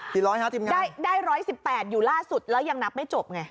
กี่ร้อยนะทีมงานได้ร้อยสิบแปดอยู่ล่าสุดแล้วยังนับไม่จบไง